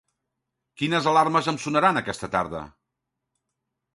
Quines alarmes em sonaran aquesta tarda?